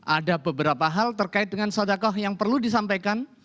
ada beberapa hal terkait dengan sodakoh yang perlu disampaikan